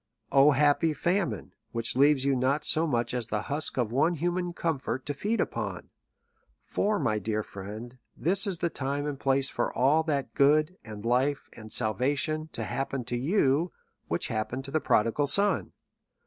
O happy famine, which leaves you not so much as the husk of one human comfort to feed upon ! For, my dear friend, this is the time and place for all that good, and life, and salvation, to happen to you, which happened to the prodigal son.